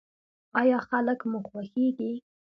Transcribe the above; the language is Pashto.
ایا خلک مو خوښیږي؟